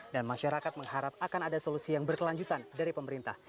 dan masyarakat mengharap akan ada solusi yang berkelanjutan dari pemerintah